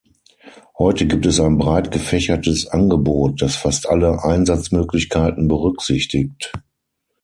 Heute gibt es ein breit gefächertes Angebot, das fast alle Einsatzmöglichkeiten berücksichtigt.